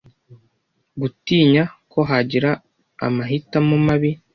gutinya ko bagira amahitamo mabi